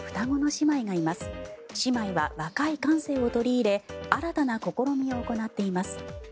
姉妹は若い感性を取り入れ新たな試みを行っています。